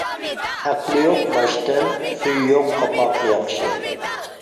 ئەقلى يوق باشتىن سۈيى يوق قاپاق ياخشى.